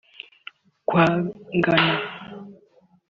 Kwangana